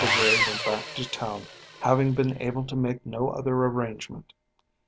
Gray went back to town having been able to make no other arrangement.